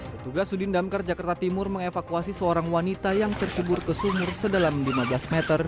petugas sudindamkar jakarta timur mengevakuasi seorang wanita yang tercebur ke sumur sedalam lima belas meter